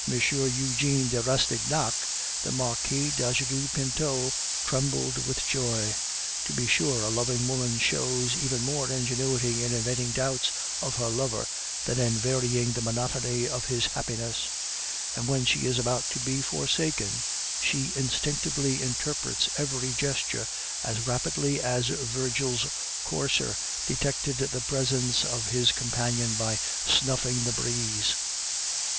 Eugene de Rastignac, the Marquis d'Ajuda Pinto trembled with joy. To be sure, a loving woman shows even more ingenuity in inventing doubts of her lover than in varying the monotony of his happiness; and when she is about to be forsaken, she instinctively interprets every gesture as rapidly as Virgil's courser detected the presence of his companion by snuffing the breeze.